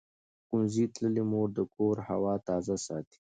ښوونځې تللې مور د کور هوا تازه ساتي.